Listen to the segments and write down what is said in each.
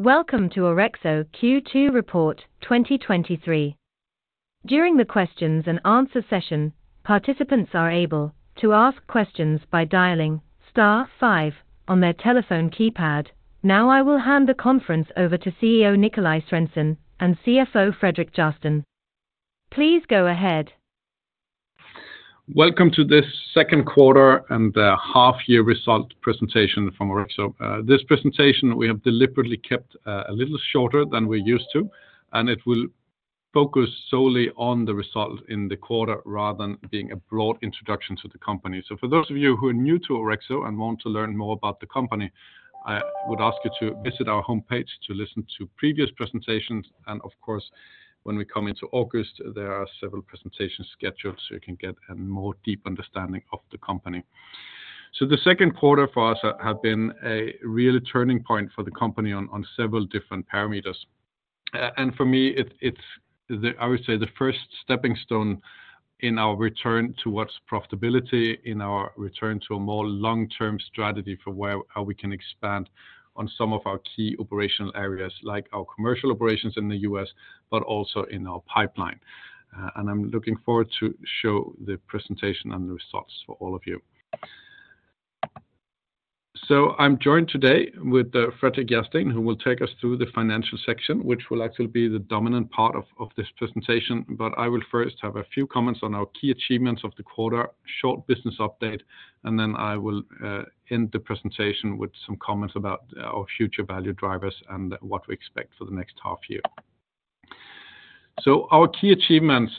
Welcome to Orexo Q2 Report 2023. During the questions and answer session, participants are able to ask questions by dialing star 5 on their telephone keypad. Now, I will hand the conference over to CEO Nikolaj Sørensen and CFO Fredrik Järrsten. Please go ahead. Welcome to this second quarter and the half year result presentation from Orexo. This presentation, we have deliberately kept a little shorter than we're used to, and it will focus solely on the result in the quarter, rather than being a broad introduction to the company. For those of you who are new to Orexo and want to learn more about the company, I would ask you to visit our homepage to listen to previous presentations, and of course, when we come into August, there are several presentations scheduled, so you can get a more deep understanding of the company. The second quarter for us have been a real turning point for the company on several different parameters. For me, it's the first stepping stone in our return towards profitability, in our return to a more long-term strategy for how we can expand on some of our key operational areas, like our commercial operations in the U.S., but also in our pipeline. I'm looking forward to show the presentation and the results for all of you. I'm joined today with Fredrik Järrsten, who will take us through the financial section, which will actually be the dominant part of this presentation. I will first have a few comments on our key achievements of the quarter, short business update, and then I will end the presentation with some comments about our future value drivers and what we expect for the next half year. Our key achievements,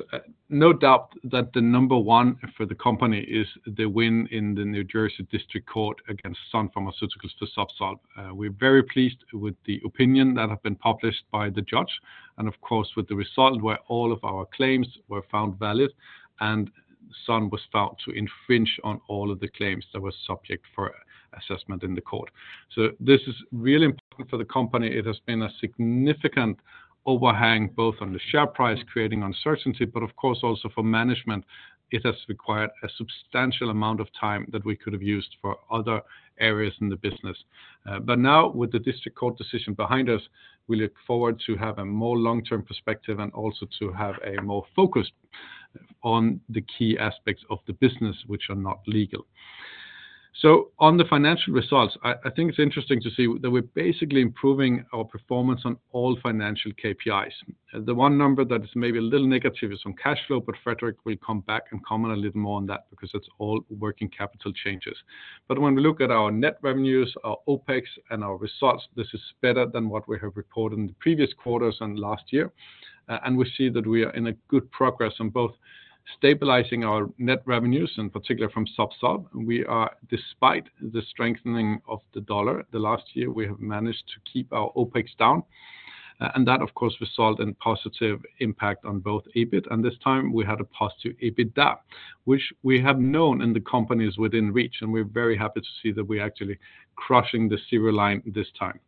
no doubt that the number one for the company is the win in the New Jersey District Court against Sun Pharmaceuticals to ZUBSOLV. We're very pleased with the opinion that have been published by the judge, and of course, with the result where all of our claims were found valid and Sun was found to infringe on all of the claims that were subject for assessment in the court. This is really important for the company. It has been a significant overhang, both on the share price, creating uncertainty, but of course also for management, it has required a substantial amount of time that we could have used for other areas in the business. Now with the district court decision behind us, we look forward to have a more long-term perspective and also to have a more focus on the key aspects of the business which are not legal. On the financial results, I think it's interesting to see that we're basically improving our performance on all financial KPIs. The one number that is maybe a little negative is on cash flow, but Fredrik will come back and comment a little more on that because it's all working capital changes. When we look at our net revenues, our OPEX, and our results, this is better than what we have reported in the previous quarters and last year. We see that we are in a good progress on both stabilizing our net revenues, in particular from ZUBSOLV. We are, despite the strengthening of the US dollar, the last year, we have managed to keep our OpEx down, and that, of course, result in positive impact on both EBIT, and this time we had a positive EBITDA, which we have known in the company is within reach, and we're very happy to see that we're actually crushing the zero line this time.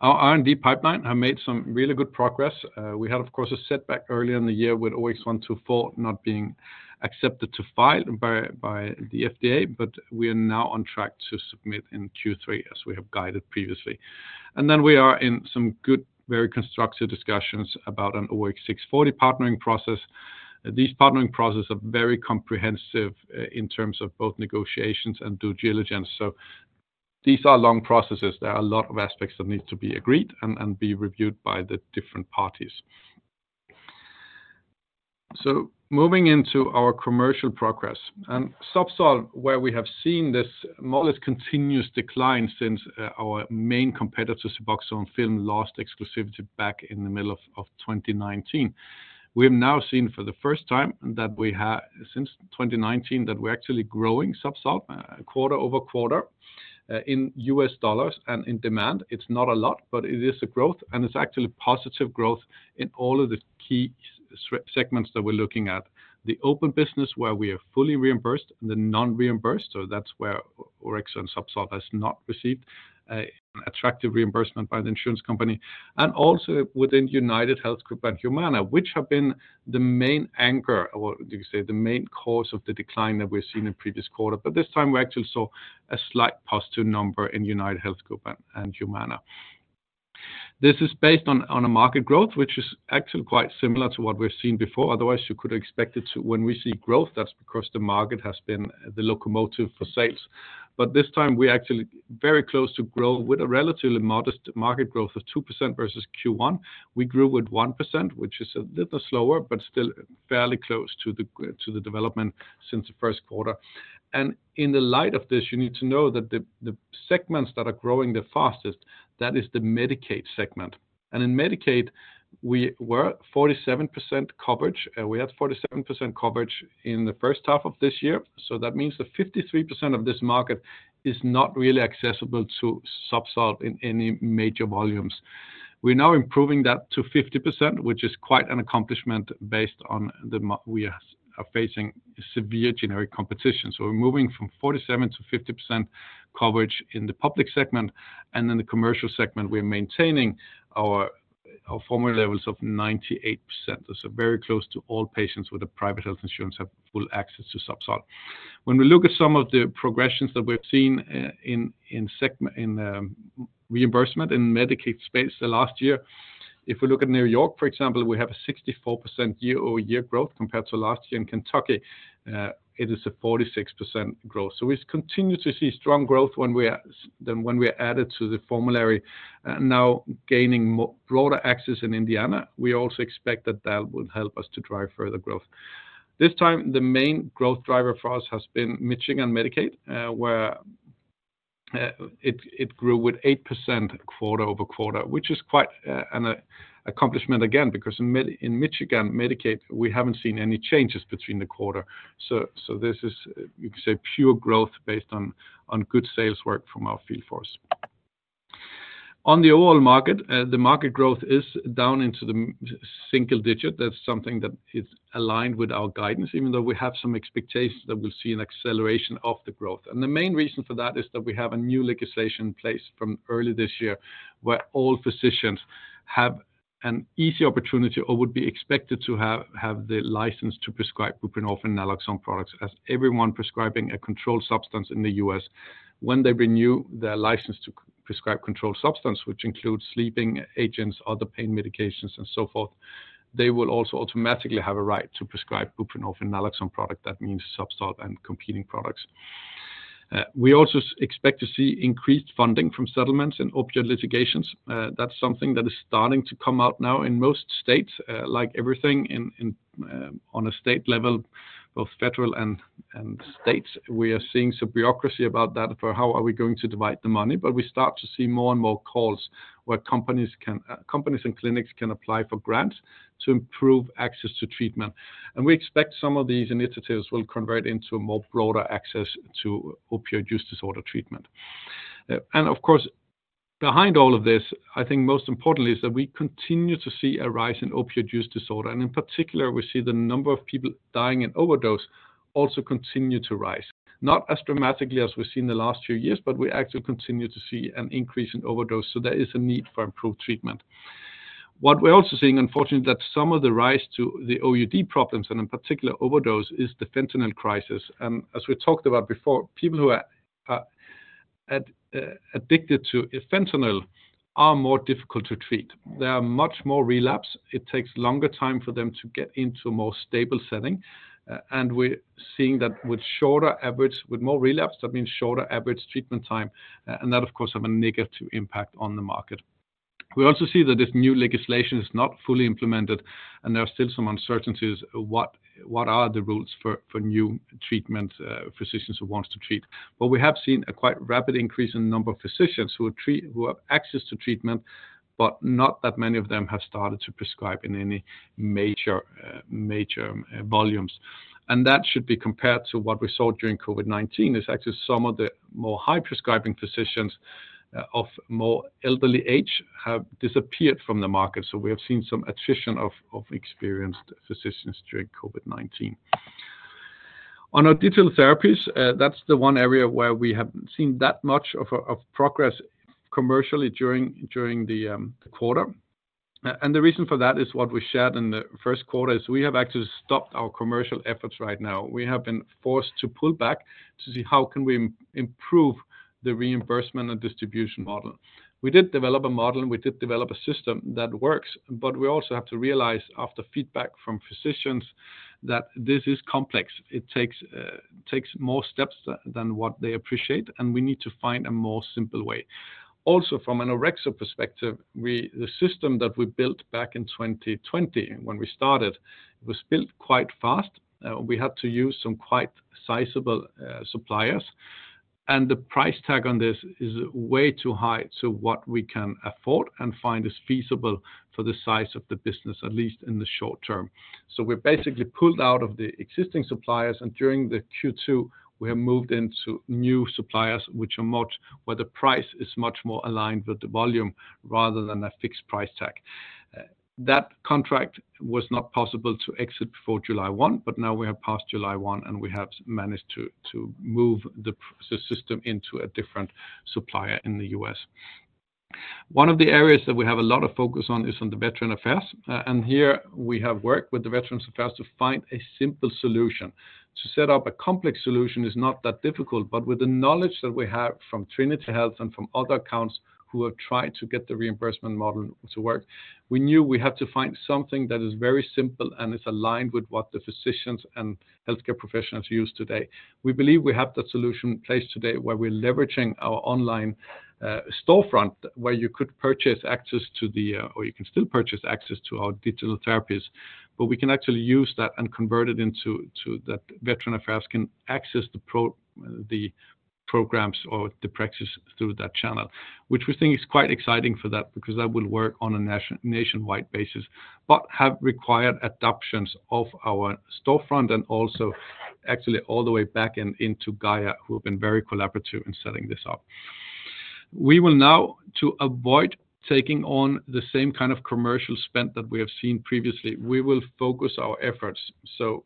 Our R&D pipeline have made some really good progress. We had, of course, a setback earlier in the year with OX124 not being accepted to file by the FDA, but we are now on track to submit in Q3 as we have guided previously. Then we are in some good, very constructive discussions about an OX640 partnering process. These partnering processes are very comprehensive, in terms of both negotiations and due diligence, so these are long processes. There are a lot of aspects that need to be agreed and be reviewed by the different parties. Moving into our commercial progress, and ZUBSOLV, where we have seen this modest continuous decline since our main competitor, Suboxone, lost exclusivity back in the middle of 2019. We have now seen for the first time since 2019, that we're actually growing ZUBSOLV quarter-over-quarter in U.S. dollars and in demand. It's not a lot, but it is a growth, and it's actually positive growth in all of the key segments that we're looking at. The open business, where we are fully reimbursed, and the non-reimbursed, so that's where Orexo and ZUBSOLV has not received an attractive reimbursement by the insurance company, and also within UnitedHealth Group and Humana, which have been the main anchor, or you can say, the main cause of the decline that we've seen in previous quarter. This time, we actually saw a slight positive number in UnitedHealth Group and Humana. This is based on a market growth, which is actually quite similar to what we've seen before. Otherwise, you could expect it to when we see growth, that's because the market has been the locomotive for sales. This time, we're actually very close to grow with a relatively modest market growth of 2% versus Q1. We grew with 1%, which is a little slower, but still fairly close to the development since the 1st quarter. In the light of this, you need to know that the segments that are growing the fastest, that is the Medicaid segment. In Medicaid, we were at 47% coverage, we had 47% coverage in the first half of this year. That means that 53% of this market is not really accessible to ZUBSOLV in any major volumes. We're now improving that to 50%, which is quite an accomplishment based on the we are facing severe generic competition. We're moving from 47%-50% coverage in the public segment, and in the commercial segment, we're maintaining our former levels of 98%. Very close to all patients with a private health insurance have full access to ZUBSOLV. When we look at some of the progressions that we've seen, in segment, in reimbursement in Medicaid space the last year, if we look at New York, for example, we have a 64% year-over-year growth compared to last year. In Kentucky, it is a 46% growth. We continue to see strong growth when we are added to the formulary, and now gaining more broader access in Indiana, we also expect that that will help us to drive further growth. This time, the main growth driver for us has been Michigan Medicaid, where it grew with 8% quarter-over-quarter, which is quite an accomplishment again, because in Michigan Medicaid, we haven't seen any changes between the quarter. This is, you could say, pure growth based on good sales work from our field force. On the overall market, the market growth is down into the single-digit. That's something that is aligned with our guidance, even though we have some expectations that we'll see an acceleration of the growth. The main reason for that is that we have a new legislation in place from early this year, where all physicians have an easy opportunity or would be expected to have the license to prescribe buprenorphine and naloxone products. As everyone prescribing a controlled substance in the U.S., when they renew their license to prescribe controlled substance, which includes sleeping agents, other pain medications, and so forth, they will also automatically have a right to prescribe buprenorphine and naloxone product. That means ZUBSOLV and competing products. We also expect to see increased funding from settlements and opiate litigations. That's something that is starting to come out now in most States, like everything in, on a state level, both Federal and States, we are seeing some bureaucracy about that, for how are we going to divide the money, but we start to see more and more calls where companies and clinics can apply for grants to improve access to treatment. We expect some of these initiatives will convert into a more broader access to opioid use disorder treatment. Of course, behind all of this, I think most importantly, is that we continue to see a rise in opioid use disorder, and in particular, we see the number of people dying in overdose also continue to rise. Not as dramatically as we've seen in the last few years, but we actually continue to see an increase in overdose, so there is a need for improved treatment. What we're also seeing, unfortunately, that some of the rise to the OUD problems, and in particular overdose, is the fentanyl crisis. As we talked about before, people who are addicted to fentanyl are more difficult to treat. They are much more relapse. It takes longer time for them to get into a more stable setting, and we're seeing that with shorter average, with more relapse, that means shorter average treatment time, and that, of course, have a negative impact on the market. We also see that this new legislation is not fully implemented, and there are still some uncertainties what are the rules for new treatment, physicians who wants to treat? We have seen a quite rapid increase in the number of physicians who have access to treatment, but not that many of them have started to prescribe in any major major volumes. That should be compared to what we saw during COVID-19, is actually some of the more high prescribing physicians of more elderly age have disappeared from the market, so we have seen some attrition of experienced physicians during COVID-19. On our digital therapies, that's the one area where we haven't seen that much of progress commercially during the quarter. The reason for that is what we shared in the first quarter, is we have actually stopped our commercial efforts right now. We have been forced to pull back to see how can we improve the reimbursement and distribution model. We did develop a model, we did develop a system that works, we also have to realize, after feedback from physicians, that this is complex. It takes more steps than what they appreciate, we need to find a more simple way. Also, from an Orexo perspective, the system that we built back in 2020, when we started, it was built quite fast. We had to use some quite sizable suppliers, the price tag on this is way too high to what we can afford and find is feasible for the size of the business, at least in the short term. We basically pulled out of the existing suppliers, during the Q2, we have moved into new suppliers, where the price is much more aligned with the volume rather than a fixed price tag. That contract was not possible to exit before July one. Now we have passed July one. We have managed to move the system into a different supplier in the U.S. One of the areas that we have a lot of focus on is on the Veterans Affairs. Here, we have worked with the Veterans Affairs to find a simple solution. To set up a complex solution is not that difficult. With the knowledge that we have from Trinity Health and from other accounts who have tried to get the reimbursement model to work, we knew we had to find something that is very simple and is aligned with what the physicians and healthcare professionals use today. We believe we have that solution in place today, where we're leveraging our online storefront, where you could purchase access to or you can still purchase access to our digital therapies, but we can actually use that and convert it into that Veterans Affairs can access the programs or the practices through that channel. We think is quite exciting for that, because that will work on a nationwide basis, but have required adoptions of our storefront and also actually all the way back into GAIA, who have been very collaborative in setting this up. We will now, to avoid taking on the same kind of commercial spend that we have seen previously, we will focus our efforts.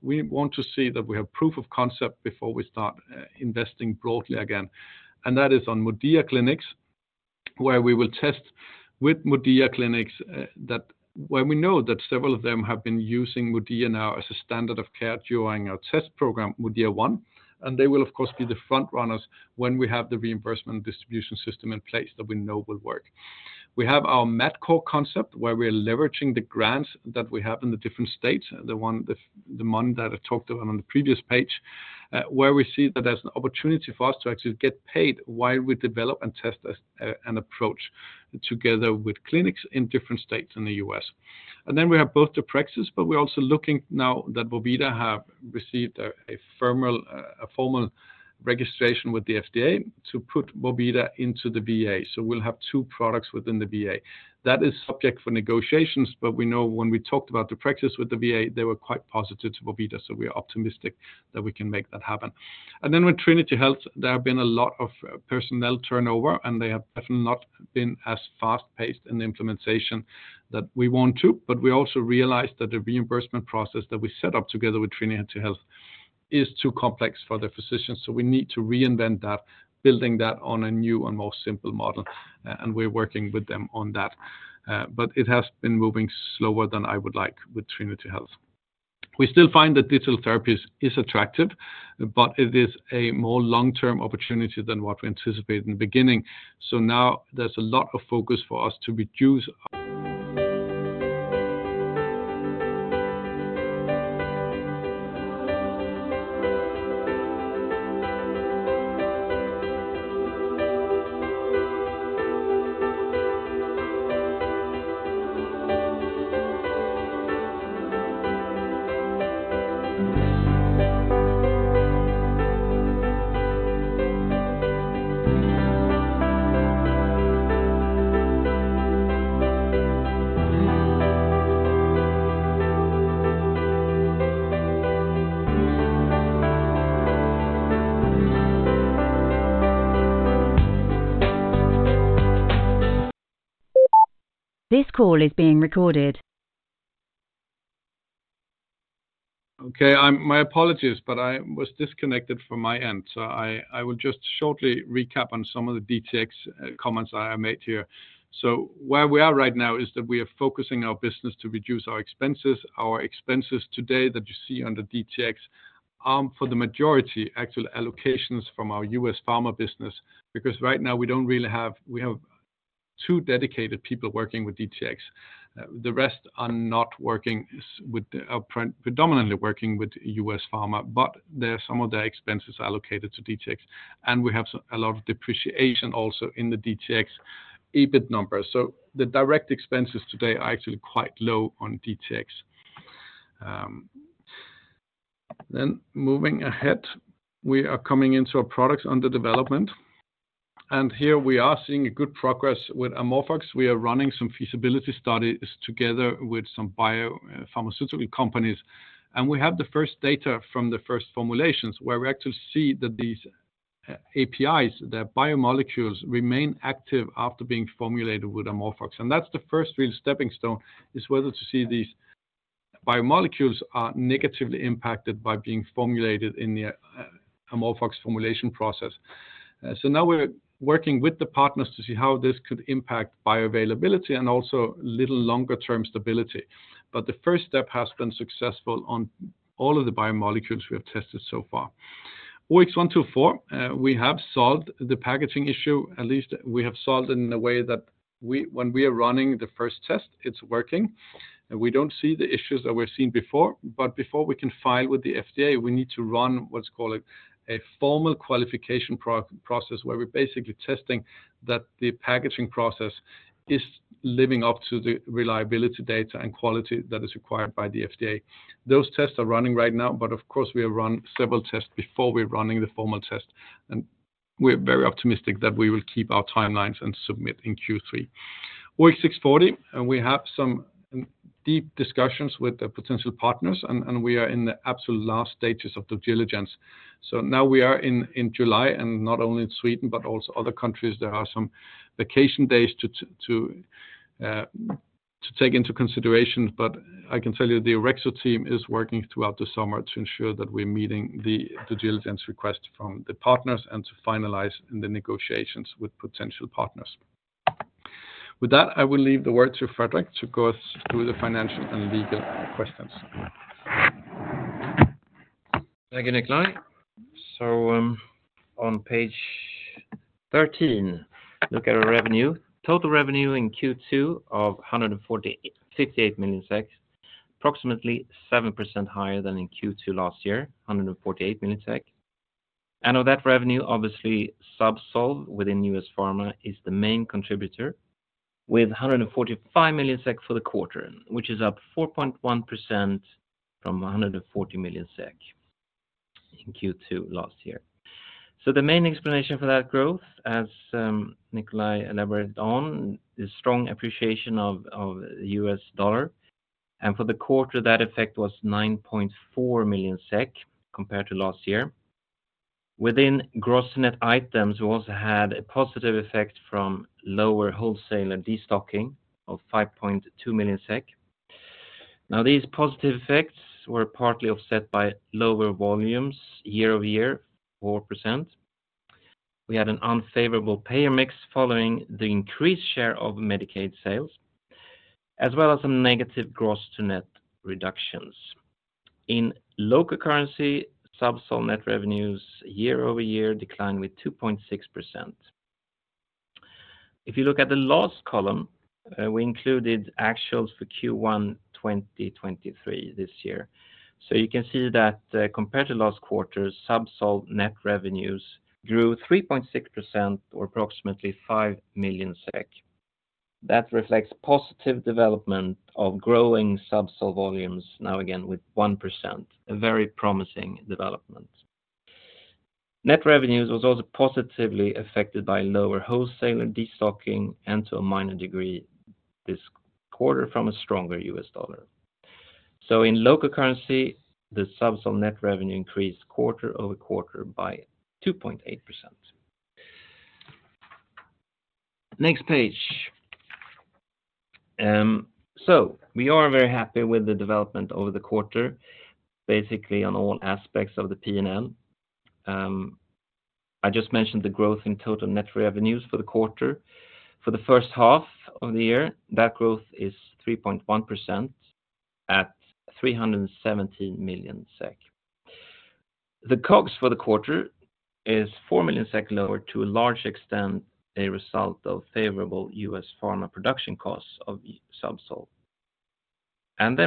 We want to see that we have proof of concept before we start investing broadly again, and that is on MODIA Clinics. where we will test with MODIA clinics, that where we know that several of them have been using MODIA now as a standard of care during our test program, MODIA 1, and they will, of course, be the front runners when we have the reimbursement distribution system in place that we know will work. We have our MATCore concept, where we're leveraging the grants that we have in the different states, the one that I talked about on the previous page, where we see that there's an opportunity for us to actually get paid while we develop and test an approach together with clinics in different states in the U.S. We have both the deprexis, but we're also looking now that deprexis have received a firmer, a formal registration with the FDA to put deprexis into the VA. We'll have 2 products within the VA. That is subject for negotiations. We know when we talked about deprexis with the VA, they were quite positive to MODIA. We are optimistic that we can make that happen. With Trinity Health, there have been a lot of personnel turnover. They have definitely not been as fast-paced in the implementation that we want to. We also realized that the reimbursement process that we set up together with Trinity Health is too complex for the physicians. We need to reinvent that, building that on a new and more simple model. We're working with them on that. It has been moving slower than I would like with Trinity Health. We still find that digital therapies is attractive. It is a more long-term opportunity than what we anticipated in the beginning. now there's a lot of focus for us to This call is being recorded. Okay, my apologies, but I will just shortly recap on some of the DTx comments I made here. Where we are right now is that we are focusing our business to reduce our expenses. Our expenses today that you see under DTx, for the majority, actual allocations from our U.S. pharma business, because right now we have two dedicated people working with DTx. The rest are predominantly working with U.S. pharma, but there are some of their expenses allocated to DTx. We have a lot of depreciation also in the DTx EBIT numbers. The direct expenses today are actually quite low on DTx. Moving ahead, we are coming into our products under development. Here we are seeing a good progress with AmorphOX. We are running some feasibility studies together with some biopharmaceutical companies. We have the first data from the first formulations, where we actually see that these APIs, the biomolecules, remain active after being formulated with AmorphOX. That's the first real stepping stone, is whether to see these biomolecules are negatively impacted by being formulated in the AmorphOX formulation process. Now we're working with the partners to see how this could impact bioavailability and also little longer term stability. The first step has been successful on all of the biomolecules we have tested so far. OX124, we have solved the packaging issue, at least we have solved it in a way that when we are running the first test, it's working, and we don't see the issues that we've seen before. Before we can file with the FDA, we need to run what's called a formal qualification process, where we're basically testing that the packaging process is living up to the reliability, data, and quality that is required by the FDA. Those tests are running right now, but of course, we will run several tests before we're running the formal test, and we're very optimistic that we will keep our timelines and submit in Q3. OX640, and we have some deep discussions with the potential partners, and we are in the absolute last stages of due diligence. Now we are in July, and not only in Sweden, but also other countries, there are some vacation days to take into consideration. I can tell you, the Orexo team is working throughout the summer to ensure that we're meeting the due diligence request from the partners and to finalize in the negotiations with potential partners. With that, I will leave the word to Fredrik to go us through the financial and legal questions. Thank you, Nikolaj. On page 13, look at our revenue. Total revenue in Q2 of 158 million SEK, approximately 7% higher than in Q2 last year, 148 million SEK. Of that revenue, obviously, ZUBSOLV within U.S. pharma is the main contributor, with 145 million SEK for the quarter, which is up 4.1% from 140 million SEK in Q2 last year. The main explanation for that growth, as Nikolaj elaborated on, is strong appreciation of the US dollar, and for the quarter, that effect was 9.4 million SEK compared to last year. Within gross to net items, we also had a positive effect from lower wholesale and destocking of 5.2 million SEK. These positive effects were partly offset by lower volumes year-over-year, 4%. We had an unfavorable payer mix following the increased share of Medicaid sales, as well as some negative gross to net reductions. In local currency, ZUBSOLV net revenues year-over-year declined with 2.6%. If you look at the last column, we included actuals for Q1 2023 this year. You can see that compared to last quarter's, ZUBSOLV net revenues grew 3.6% or approximately 5 million SEK. That reflects positive development of growing ZUBSOLV volumes now again, with 1%, a very promising development. Net revenues was also positively affected by lower wholesaler destocking, and to a minor degree, this quarter from a stronger US dollar. In local currency, the ZUBSOLV net revenue increased quarter-over-quarter by 2.8%. Next page. We are very happy with the development over the quarter, basically on all aspects of the P&L. I just mentioned the growth in total net revenues for the quarter. For the first half of the year, that growth is 3.1% at 317 million SEK. The COGS for the quarter is 4 million SEK lower, to a large extent, a result of favorable U.S. pharma production costs of ZUBSOLV.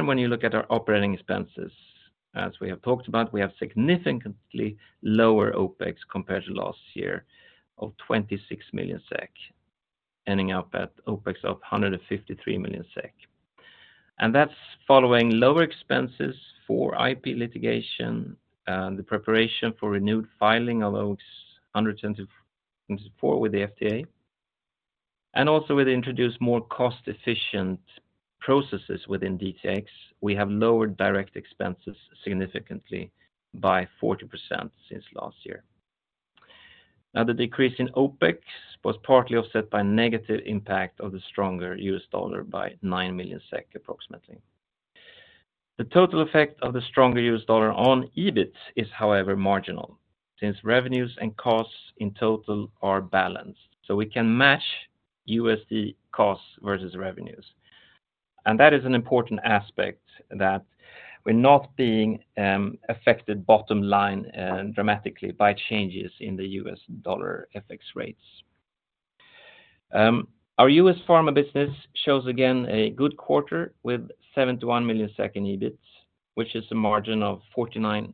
When you look at our operating expenses, as we have talked about, we have significantly lower OPEX compared to last year of 26 million SEK, ending up at OPEX of 153 million SEK. That's following lower expenses for IP litigation, and the preparation for renewed filing of OX124 with the FDA, and also with introduce more cost-efficient processes within DTx, we have lowered direct expenses significantly by 40% since last year. The decrease in OPEX was partly offset by negative impact of the stronger US dollar by 9 million SEK, approximately. The total effect of the stronger US dollar on EBIT is however, marginal, since revenues and costs in total are balanced. We can match USD costs versus revenues. That is an important aspect that we're not being affected bottom line dramatically by changes in the US dollar FX rates. Our U.S. pharma business shows, again, a good quarter with 71 million in EBIT, which is a margin of 49%.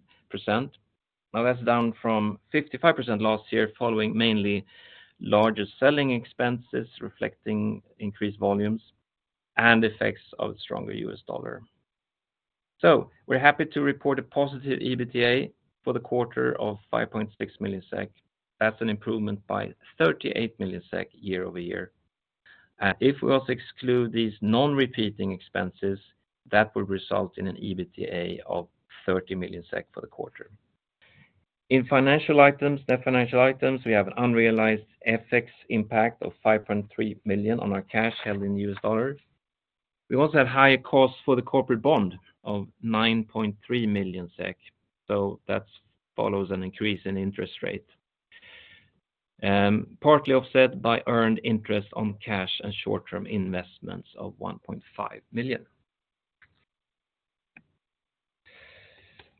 That's down from 55% last year, following mainly larger selling expenses, reflecting increased volumes and effects of stronger US dollar. We're happy to report a positive EBITDA for the quarter of 5.6 million SEK. That's an improvement by 38 million SEK year-over-year. If we also exclude these non-repeating expenses, that would result in an EBITDA of 30 million SEK for the quarter. In financial items, we have an unrealized FX impact of 5.3 million on our cash held in US dollars. We also have higher costs for the corporate bond of 9.3 million SEK, that follows an increase in interest rate, partly offset by earned interest on cash and short-term investments of 1.5 million.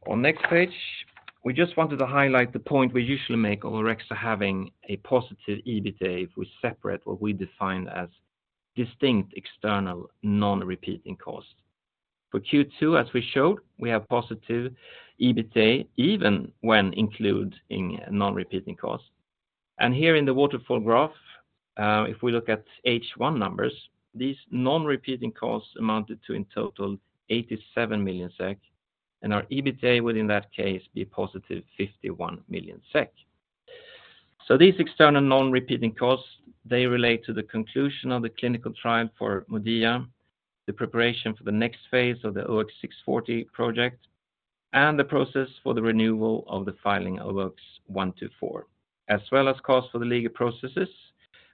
On next page, we just wanted to highlight the point we usually make over Orexo having a positive EBITDA if we separate what we define as distinct, external, non-repeating costs. For Q2, as we showed, we have positive EBITDA, even when including non-repeating costs. Here in the waterfall graph, if we look at H1 numbers, these non-repeating costs amounted to, in total, 87 million SEK, and our EBITDA within that case, be positive 51 million SEK. These external non-repeating costs, they relate to the conclusion of the clinical trial for Modia, the preparation for the next phase of the OX-640 project, and the process for the renewal of the filing of OX-124, as well as cost for the legal processes,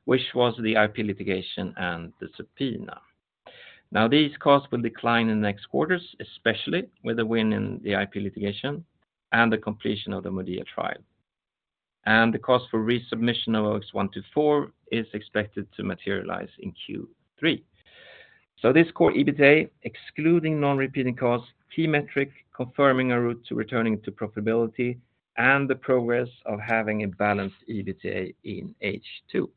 which was the IP litigation and the subpoena. These costs will decline in the next quarters, especially with a win in the IP litigation and the completion of the Modia trial. The cost for resubmission of OX-124 is expected to materialize in Q3. This core EBITDA, excluding non-repeating costs, key metric, confirming a route to returning to profitability and the progress of having a balanced EBITDA in H2.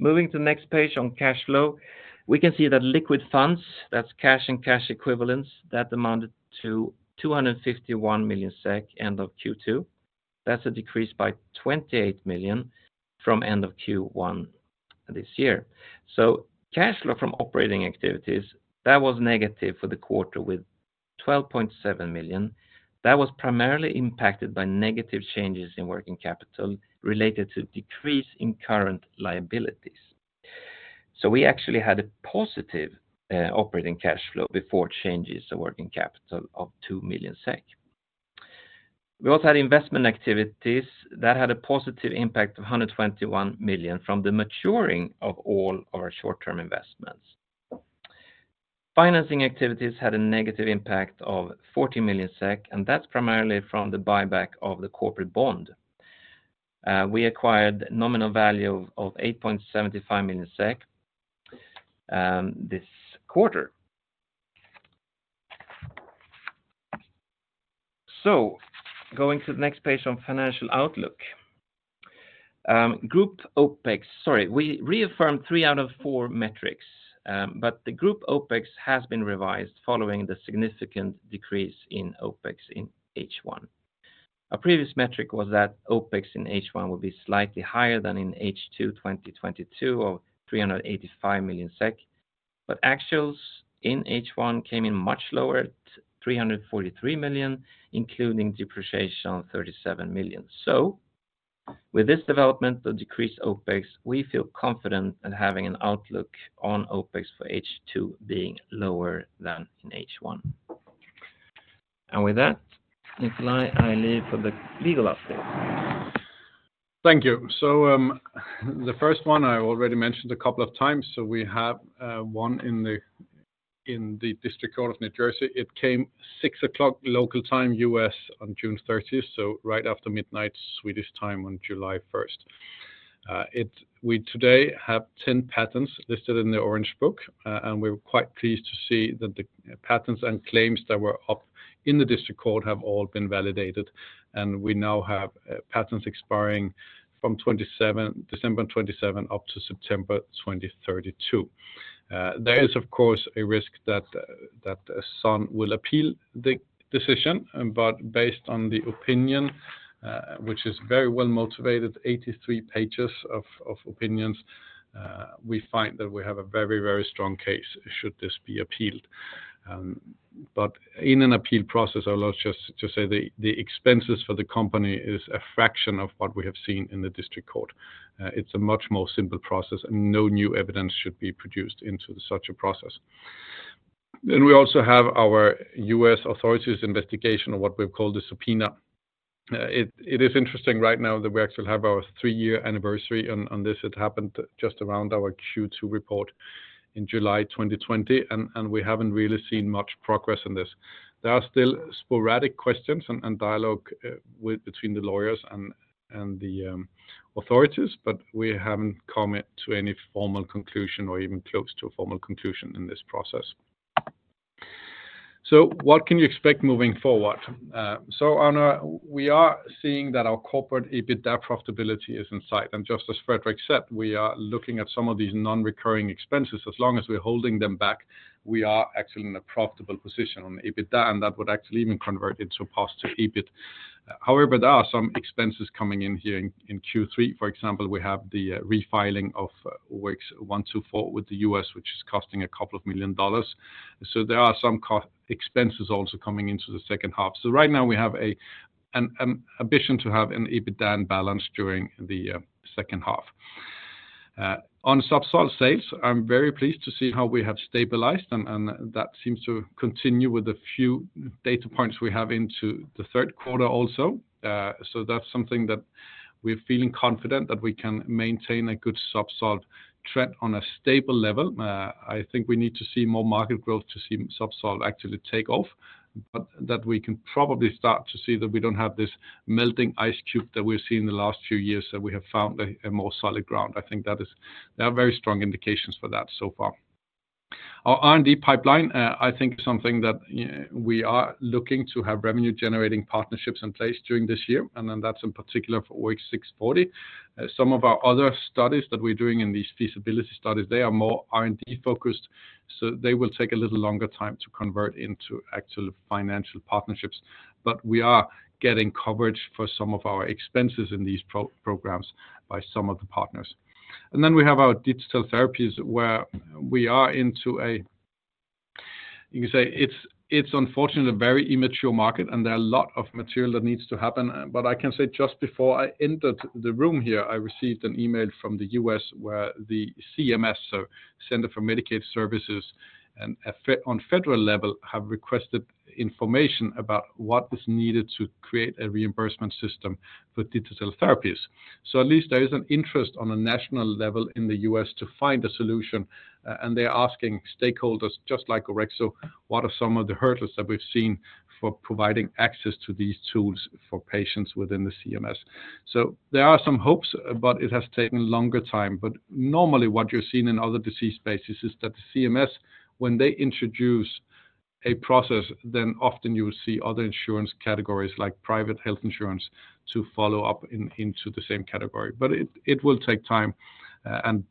Moving to the next page on cash flow, we can see that liquid funds, that's cash and cash equivalents, that amounted to 251 million SEK, end of Q2. That's a decrease by 28 million from end of Q1 this year. Cash flow from operating activities, that was negative for the quarter with 12.7 million. That was primarily impacted by negative changes in working capital related to decrease in current liabilities. We actually had a positive operating cash flow before changes to working capital of 2 million SEK. We also had investment activities that had a positive impact of 121 million from the maturing of all our short-term investments. Financing activities had a negative impact of 40 million SEK, and that's primarily from the buyback of the corporate bond. We acquired nominal value of 8.75 million SEK this quarter. Going to the next page on financial outlook. Group OpEx, sorry, we reaffirmed three out of four metrics, but the group OpEx has been revised following the significant decrease in OpEx in H1. Our previous metric was that OpEx in H1 would be slightly higher than in H2 2022, or 385 million SEK, but actuals in H1 came in much lower at 343 million SEK, including depreciation on 37 million SEK. With this development, the decreased OpEx, we feel confident in having an outlook on OpEx for H2 being lower than in H1. With that, Nikolaj, I leave for the legal update. Thank you. The first one I already mentioned a couple of times, we have one in the District Court of New Jersey. It came 6:00 local time, U.S., on June 30, so right after midnight, Swedish time on July 1. We today have 10 patents listed in the Orange Book, and we're quite pleased to see that the patents and claims that were up in the district court have all been validated, and we now have patents expiring from December 2027 up to September 2032. There is, of course, a risk that Sun will appeal the decision, but based on the opinion, which is very well motivated, 83 pages of opinions, we find that we have a very, very strong case, should this be appealed. In an appeal process, I'll just say the expenses for the company is a fraction of what we have seen in the district court. It's a much more simple process, no new evidence should be produced into such a process. We also have our U.S. authorities investigation, or what we've called the subpoena. It is interesting right now that we actually have our three-year anniversary on this. It happened just around our Q2 report in July 2020, and we haven't really seen much progress in this. There are still sporadic questions and dialogue with between the lawyers and the authorities, we haven't come to any formal conclusion or even close to a formal conclusion in this process. What can you expect moving forward? we are seeing that our corporate EBITDA profitability is in sight, and just as Fredrik said, we are looking at some of these non-recurring expenses. As long as we're holding them back, we are actually in a profitable position on EBITDA, and that would actually even convert it to positive EBIT. There are some expenses coming in here in Q3. For example, we have the refiling of OX124 with the U.S., which is costing $2 million. There are some expenses also coming into the second half. Right now we have an ambition to have an EBITDA in balance during the second half. On ZUBSOLV sales, I'm very pleased to see how we have stabilized, and that seems to continue with a few data points we have into the third quarter also. That's something that we're feeling confident that we can maintain a good ZUBSOLV trend on a stable level. I think we need to see more market growth to see ZUBSOLV actually take off, but that we can probably start to see that we don't have this melting ice cube that we've seen in the last few years, that we have found a more solid ground. I think that is. There are very strong indications for that so far. Our R&D pipeline, I think is something that we are looking to have revenue-generating partnerships in place during this year, and that's in particular for OX640. Some of our other studies that we're doing in these feasibility studies, they are more R&D focused, so they will take a little longer time to convert into actual financial partnerships. We are getting coverage for some of our expenses in these programs by some of the partners. We have our digital therapies, where we are into a, you can say it's unfortunately a very immature market, and there are a lot of material that needs to happen. I can say just before I entered the room here, I received an email from the U.S., where the CMS, so Center for Medicaid Services, and on federal level, have requested information about what is needed to create a reimbursement system for digital therapies. At least there is an interest on a national level in the U.S. to find a solution, and they're asking stakeholders, just like Orexo, what are some of the hurdles that we've seen for providing access to these tools for patients within the CMS. There are some hopes, but it has taken longer time. Normally, what you're seeing in other disease spaces is that the CMS, when they introduce a process, then often you will see other insurance categories, like private health insurance, to follow up into the same category. It will take time, and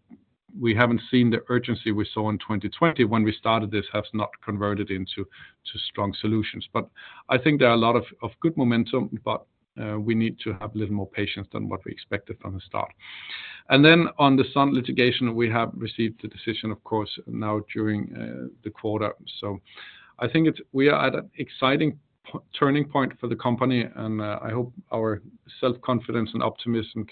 we haven't seen the urgency we saw in 2020, when we started this, has not converted into strong solutions. I think there are a lot of good momentum, we need to have a little more patience than what we expected from the start. On the Sun litigation, we have received the decision, of course, now during the quarter. I think we are at an exciting turning point for the company, and I hope our self-confidence and optimism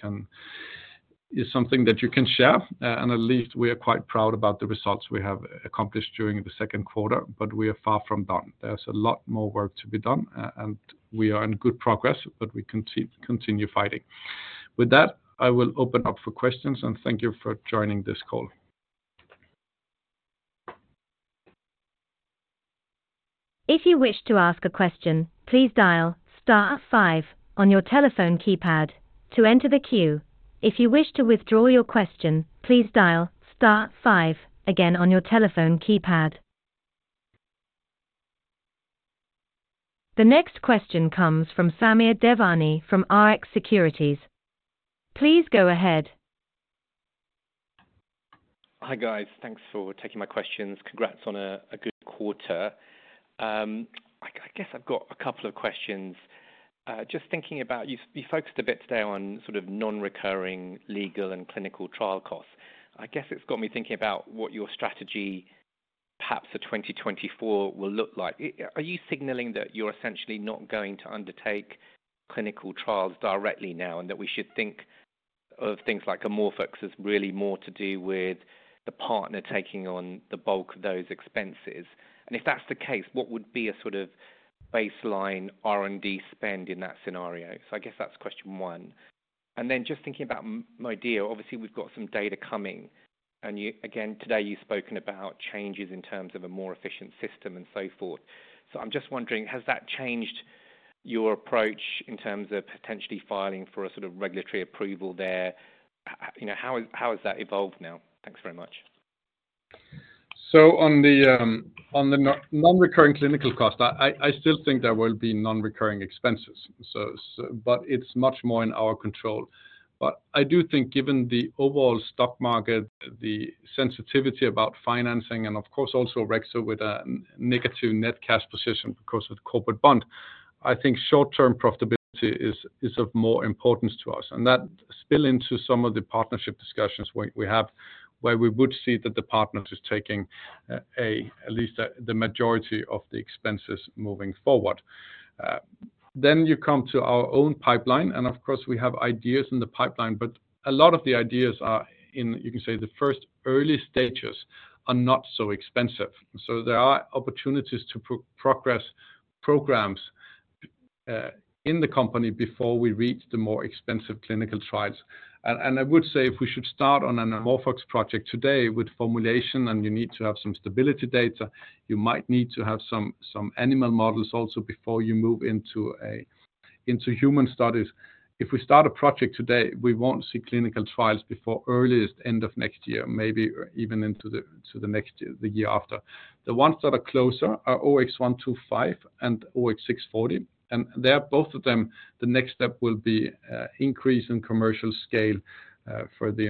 is something that you can share, and at least we are quite proud about the results we have accomplished during the second quarter, we are far from done. There's a lot more work to be done, and we are in good progress, we continue fighting. With that, I will open up for questions, thank you for joining this call. If you wish to ask a question, please dial star five on your telephone keypad to enter the queue. If you wish to withdraw your question, please dial star five again on your telephone keypad. The next question comes from Samir Devani from Rx Securities. Please go ahead. Hi, guys. Thanks for taking my questions. Congrats on a good quarter. I guess I've got a couple of questions. Just thinking about you focused a bit today on sort of non-recurring legal and clinical trial costs. I guess it's got me thinking about what your strategy, perhaps for 2024 will look like. Are you signaling that you're essentially not going to undertake clinical trials directly now, and that we should think of things like AmorphOX as really more to do with the partner taking on the bulk of those expenses? If that's the case, what would be a sort of baseline R&D spend in that scenario? I guess that's question 1. Just thinking about MODIA, obviously, we've got some data coming, and again, today, you've spoken about changes in terms of a more efficient system and so forth. I'm just wondering, has that changed your approach in terms of potentially filing for a sort of regulatory approval there? You know, how has that evolved now? Thanks very much. On the non-recurring clinical cost, I still think there will be non-recurring expenses. It's much more in our control. I do think given the overall stock market, the sensitivity about financing, and of course, also Orexo with a negative net cash position, of course, with corporate bond, I think short-term profitability is of more importance to us, and that spill into some of the partnership discussions we have, where we would see that the partner is taking at least the majority of the expenses moving forward. You come to our own pipeline, and of course, we have ideas in the pipeline, but a lot of the ideas are in, you can say, the first early stages are not so expensive. There are opportunities to progress programs in the company before we reach the more expensive clinical trials. I would say if we should start on an AmorphOX project today with formulation, and you need to have some stability data, you might need to have some animal models also before you move into a, into human studies. If we start a project today, we won't see clinical trials before earliest end of next year, maybe even into the, to the next year, the year after. The ones that are closer are OX125 and OX640, and they are both of them, the next step will be increase in commercial scale for the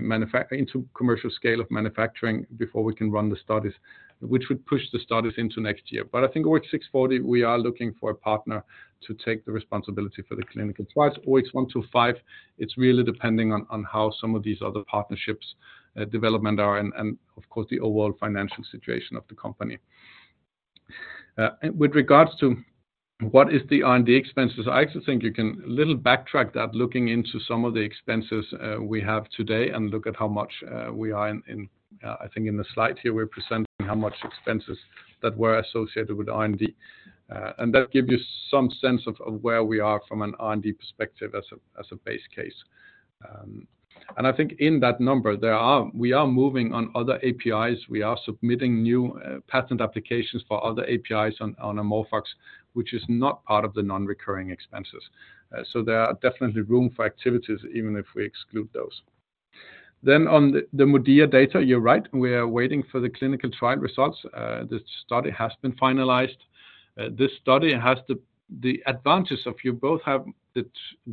into commercial scale of manufacturing before we can run the studies, which would push the studies into next year. I think OX640, we are looking for a partner to take the responsibility for the clinical trials. OX125, it's really depending on how some of these other partnerships development are, and of course, the overall financial situation of the company. With regards to what is the R&D expenses, I actually think you can little backtrack that looking into some of the expenses we have today and look at how much we are in, I think in the slide here, we're presenting how much expenses that were associated with R&D. And that gives you some sense of where we are from an R&D perspective as a base case. And I think in that number, we are moving on other APIs. We are submitting new patent applications for other APIs on AmorphOX, which is not part of the non-recurring expenses. There are definitely room for activities, even if we exclude those. On the MODIA data, you're right, we are waiting for the clinical trial results. The study has been finalized. This study has the advantage of you both have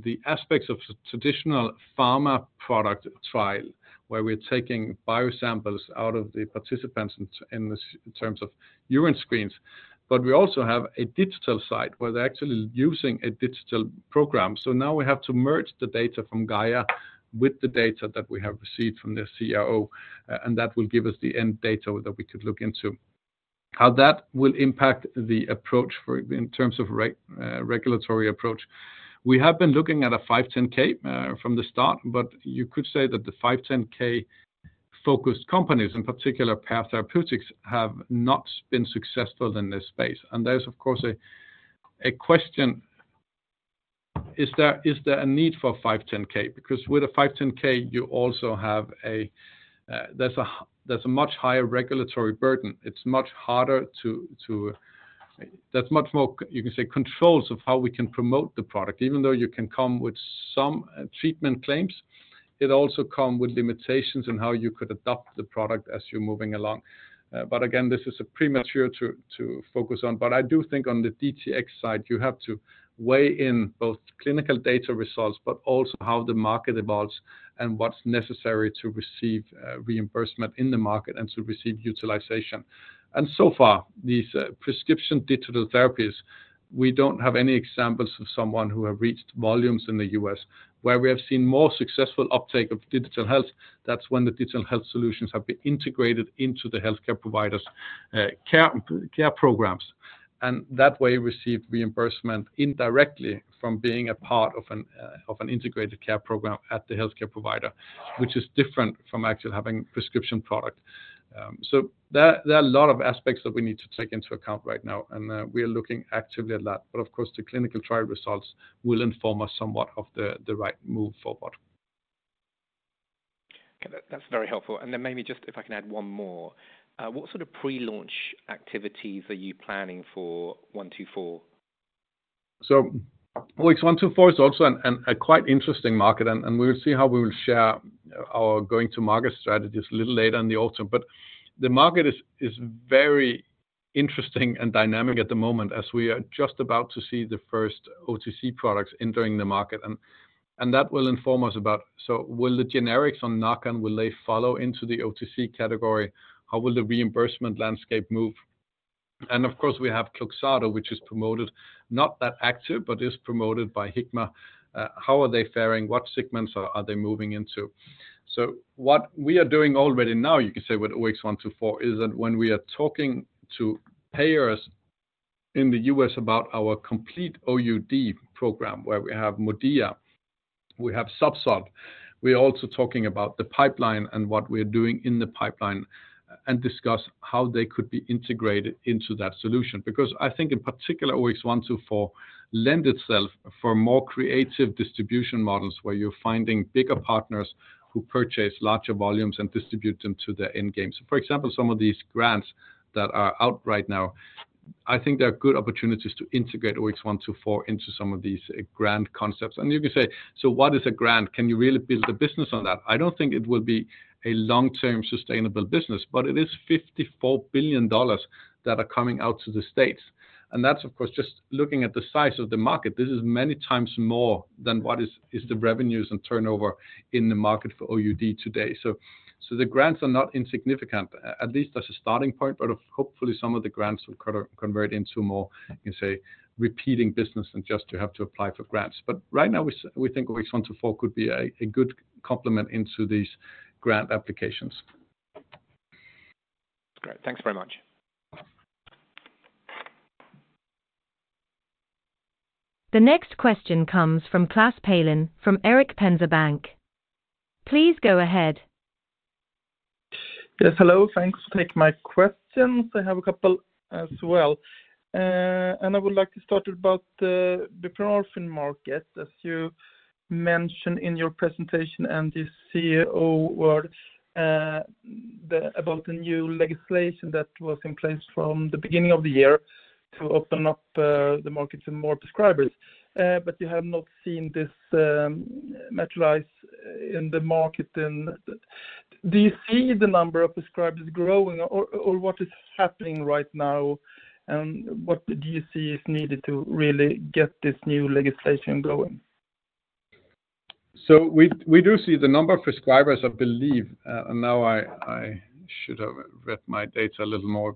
the aspects of traditional pharma product trial, where we're taking bio samples out of the participants in terms of urine screens. We also have a digital side, where they're actually using a digital program. Now we have to merge the data from GAIA with the data that we have received from the CRO, and that will give us the end data that we could look into. How that will impact the approach for in terms of regulatory approach, we have been looking at a 510(k) from the start, but you could say that the 510(k)-focused companies, in particular, Pear Therapeutics, have not been successful in this space. There's, of course, a question: Is there a need for 510(k)? Because with a 510(k), you also have a much higher regulatory burden. It's much harder to. There's much more, you can say, controls of how we can promote the product. Even though you can come with some treatment claims, it also come with limitations on how you could adopt the product as you're moving along. Again, this is a premature to focus on. I do think on the DTx side, you have to weigh in both clinical data results, but also how the market evolves and what's necessary to receive reimbursement in the market and to receive utilization. So far, these prescription digital therapies, we don't have any examples of someone who have reached volumes in the U.S. Where we have seen more successful uptake of digital health, that's when the digital health solutions have been integrated into the healthcare providers' care programs. That way receive reimbursement indirectly from being a part of an integrated care program at the healthcare provider, which is different from actually having prescription product. So there are a lot of aspects that we need to take into account right now, and we are looking actively at that. Of course, the clinical trial results will inform us somewhat of the right move forward. Okay, that's very helpful. Then maybe just if I can add one more, what sort of pre-launch activities are you planning for OX124? OX124 is also a quite interesting market, and we will see how we will share our go-to-market strategies a little later in the autumn. The market is very interesting and dynamic at the moment, as we are just about to see the first OTC products entering the market, and that will inform us about. Will the generics on NARCAN follow into the OTC category? How will the reimbursement landscape move? Of course, we have KLOXXADO, which is promoted, not that active, but is promoted by Hikma. How are they faring? What segments are they moving into? What we are doing already now, you could say, with OX124, is that when we are talking to payers in the U.S. about our complete OUD program, where we have MODIA, we have ZUBSOLV, we are also talking about the pipeline and what we are doing in the pipeline, and discuss how they could be integrated into that solution. I think in particular, OX124 lend itself for more creative distribution models, where you're finding bigger partners who purchase larger volumes and distribute them to their end games. For example, some of these grants that are out right now, I think there are good opportunities to integrate OX124 into some of these grant concepts. You could say, "So what is a grant? Can you really build a business on that?" I don't think it will be a long-term sustainable business. It is $54 billion that are coming out to the States. That's, of course, just looking at the size of the market. This is many times more than what is the revenues and turnover in the market for OUD today. The grants are not insignificant, at least as a starting point. Hopefully, some of the grants will convert into more, you say, repeating business than just to have to apply for grants. Right now, we think OX124 could be a good complement into these grant applications. Great. Thanks very much. The next question comes from Klas Palin, from Erik Penser Bank. Please go ahead. Yes, hello, thanks for taking my questions. I have a couple as well. I would like to start about the buprenorphine market, as you mentioned in your presentation and the CEO award, about the new legislation that was in place from the beginning of the year to open up the market to more prescribers. You have not seen this materialize in the market, then do you see the number of prescribers growing or what is happening right now, and what do you see is needed to really get this new legislation going? We do see the number of prescribers, I believe, and now I should have read my data a little more.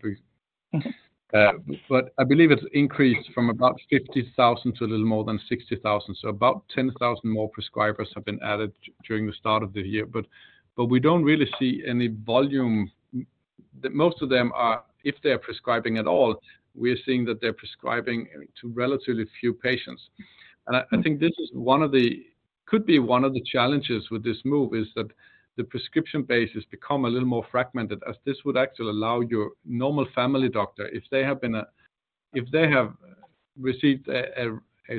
I believe it's increased from about 50,000 to a little more than 60,000. About 10,000 more prescribers have been added during the start of the year, but we don't really see any volume. Most of them are, if they are prescribing at all, we are seeing that they're prescribing to relatively few patients. I think this is one of the challenges with this move, is that the prescription base has become a little more fragmented, as this would actually allow your normal family doctor, if they have received a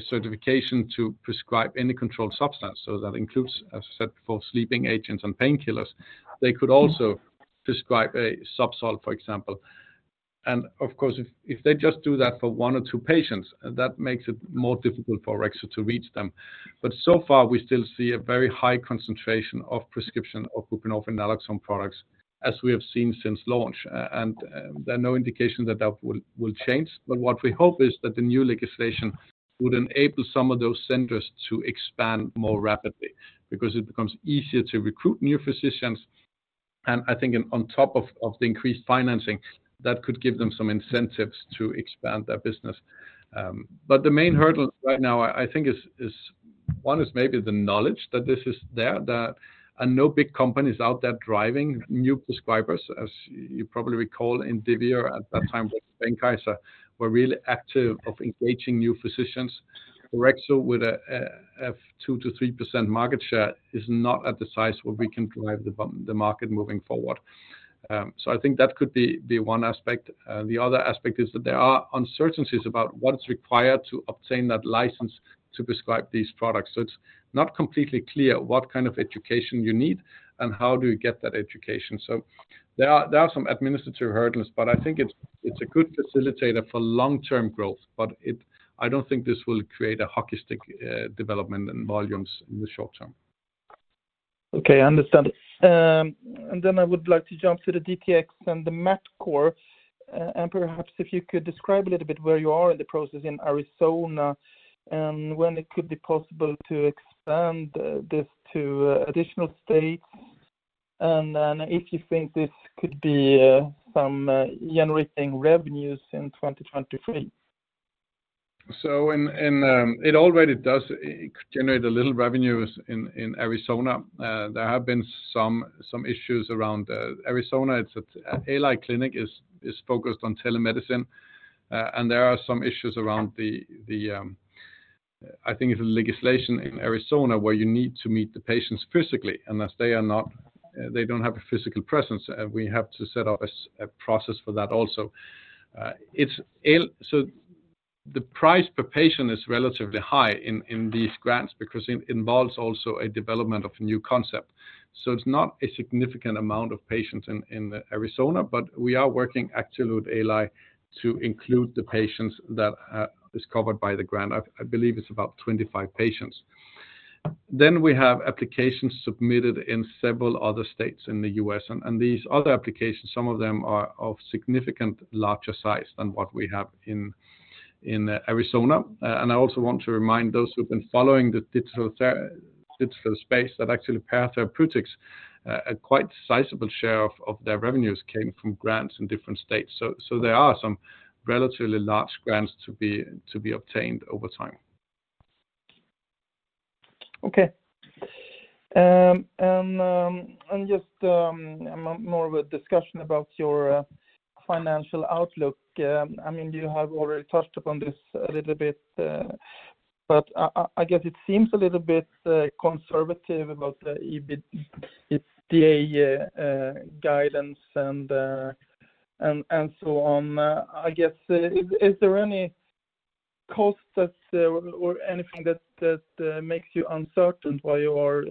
certification to prescribe any controlled substance, so that includes, as I said, for sleeping agents and painkillers, they could also prescribe a ZUBSOLV, for example. Of course, if they just do that for one or two patients, that makes it more difficult for Orexo to reach them. So far, we still see a very high concentration of prescription of buprenorphine naloxone products, as we have seen since launch, and there are no indications that that will change. What we hope is that the new legislation would enable some of those centers to expand more rapidly because it becomes easier to recruit new physicians. I think on top of the increased financing, that could give them some incentives to expand their business. The main hurdle right now, I think is one, is maybe the knowledge that this is there. No big company is out there driving new prescribers. As you probably recall, Indivior at that time, was Reckitt Benckiser, were really active of engaging new physicians. Orexo, with a 2%-3% market share, is not at the size where we can drive the market moving forward. I think that could be one aspect. The other aspect is that there are uncertainties about what is required to obtain that license to prescribe these products. It's not completely clear what kind of education you need and how do you get that education. There are some administrative hurdles, but I don't think this will create a hockey stick development and volumes in the short term. Okay, I understand. I would like to jump to the DTx and the MATCore, and perhaps if you could describe a little bit where you are in the process in Arizona, and when it could be possible to expand, this to, additional states, and then if you think this could be, some, generating revenues in 2023? it already does generate a little revenues in Arizona. There have been some issues around Arizona. Aali clinic is focused on telemedicine, and there are some issues around the, I think it's a legislation in Arizona where you need to meet the patients physically, unless they are not, they don't have a physical presence, and we have to set up a process for that also. The price per patient is relatively high in these grants because it involves also a development of a new concept. It's not a significant amount of patients in Arizona, but we are working actually with Aali to include the patients that is covered by the grant. I believe it's about 25 patients. We have applications submitted in several other states in the U.S., and these other applications, some of them are of significant larger size than what we have in Arizona. I also want to remind those who've been following the digital space, that actually Pear Therapeutics, a quite sizable share of their revenues came from grants in different states. There are some relatively large grants to be obtained over time. Just more of a discussion about your financial outlook. I mean, you have already touched upon this a little bit, but I guess it seems a little bit conservative about the EBITDA guidance and so on. Is there any costs or anything that makes you uncertain why you are,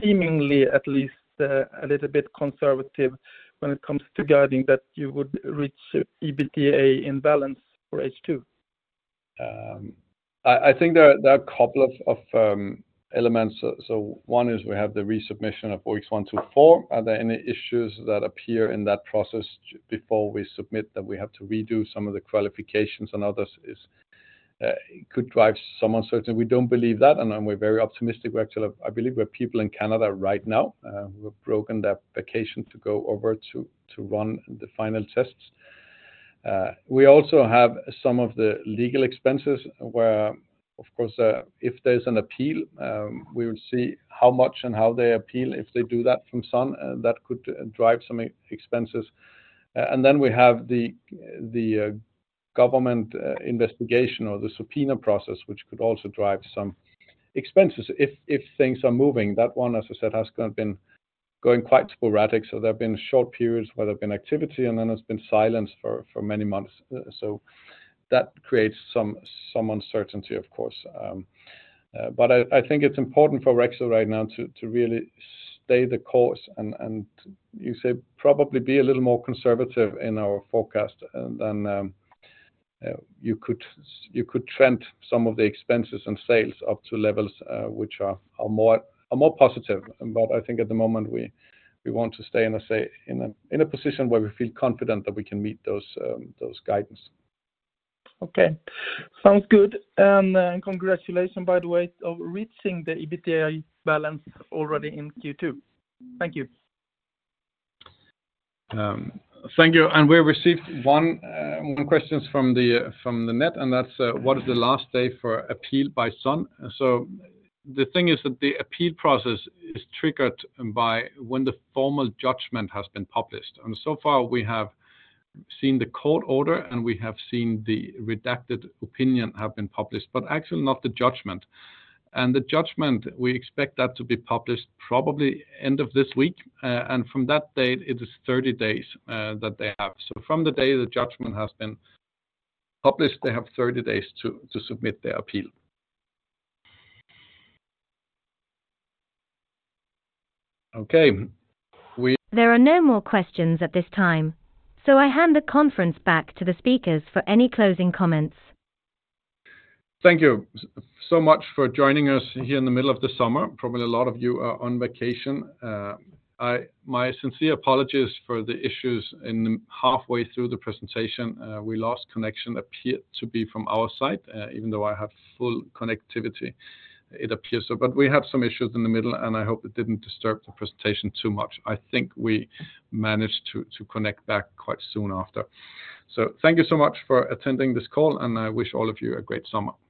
seemingly, at least, a little bit conservative when it comes to guiding that you would reach EBITDA in balance for H2? I think there are a couple of elements. One is we have the resubmission of OX124. Are there any issues that appear in that process before we submit that we have to redo some of the qualifications and others is, could drive some uncertainty. We don't believe that, then we're very optimistic. We're actually, I believe we have people in Canada right now, who have broken their vacation to go over to run the final tests. We also have some of the legal expenses where, of course, if there's an appeal, we would see how much and how they appeal. If they do that from Sun, that could drive some expenses. Then we have the government investigation or the subpoena process, which could also drive some expenses if things are moving. That one, as I said, has kind of been going quite sporadic, so there have been short periods where there's been activity, and then there's been silence for many months. That creates some uncertainty, of course. I think it's important for Orexo right now to really stay the course and you say, probably be a little more conservative in our forecast than you could trend some of the expenses and sales up to levels which are more positive. I think at the moment, we want to stay in a position where we feel confident that we can meet those guidance. Okay. Sounds good. Congratulations, by the way, of reaching the EBITDA balance already in Q2. Thank you. Thank you. We received one questions from the net, and that's what is the last day for appeal by Sun? The thing is that the appeal process is triggered by when the formal judgment has been published. So far, we have seen the court order, and we have seen the redacted opinion have been published, but actually not the judgment. The judgment, we expect that to be published probably end of this week, and from that date, it is 30 days that they have. From the day the judgment has been published, they have 30 days to submit their appeal. There are no more questions at this time, so I hand the conference back to the speakers for any closing comments. Thank you so much for joining us here in the middle of the summer. Probably, a lot of you are on vacation. My sincere apologies for the issues in halfway through the presentation. We lost connection, appeared to be from our side, even though I have full connectivity, it appears so. We have some issues in the middle, and I hope it didn't disturb the presentation too much. I think we managed to connect back quite soon after. Thank you so much for attending this call, and I wish all of you a great summer. Goodbye.